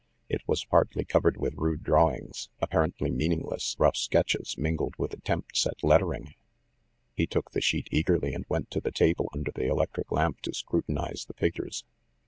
It was partly covered with rude drawings, apparently mean ingless rough sketches, mingled with attempts at let tering : He took the sheet eagerly, and went to the table under the electric lamp to scrutinize the figures.